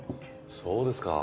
そうですか。